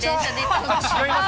違います。